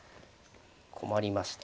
困りました。